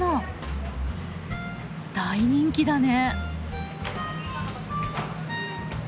大人気だね。